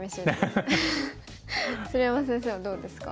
鶴山先生はどうですか？